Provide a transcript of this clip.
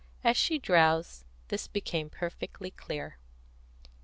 As she drowsed, this became perfectly clear.